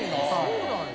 そうなんや。